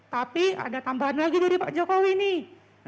tapi ada tambahan lagi dari pak jokowi nih